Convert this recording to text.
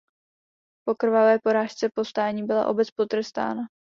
Po krvavé porážce povstání byla obec potrestána.